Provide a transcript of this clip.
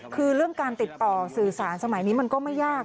คือเรื่องการติดต่อสื่อสารสมัยนี้มันก็ไม่ยาก